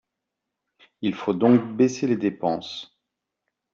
Il faut donc baisser les dépenses.